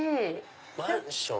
マンション？